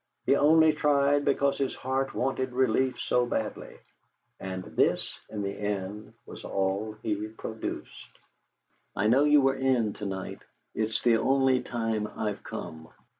He only tried because his heart wanted relief so badly. And this, in the end, was all that he produced: "I know you were in to night. It's the only time I've come.